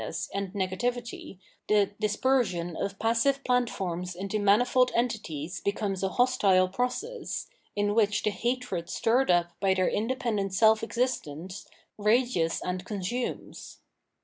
704 Plants and Animals as Objects of Religion 705 and negativity, the dispersion of passive plant forms into manifold entities becomes a hostile process, in which the hatred stirred up by their independent self existence rages and consumes.